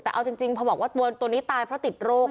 แต่เอาจริงพอบอกว่าตัวนี้ตายเพราะติดโรค